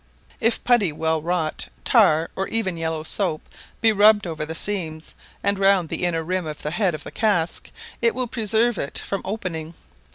If putty well wrought, tar, or even yellow soap, be rubbed over the seams, and round the inner rim of the head of the cask, it will preserve it from opening.